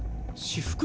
私服？